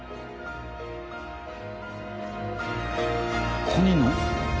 ここにいるの？